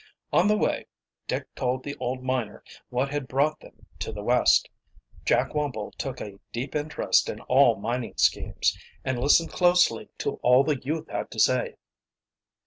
On the way Dick told the old miner what had brought them to the West. Jack Wumble took a deep interest in all mining schemes, and listened closely to all the youth had to say.